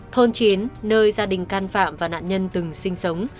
thôn chiến nơi gia đình can phạm và nạn nhân từng sinh sống